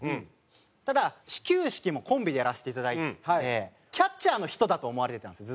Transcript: ただ始球式もコンビでやらせていただいてキャッチャーの人だと思われてたんですよ